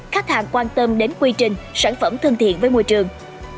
khách hàng quan tâm đến quy trình sản phẩm thân thiện với môi trường